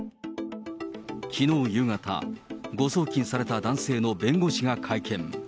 きのう夕方、誤送金された男性の弁護士が会見。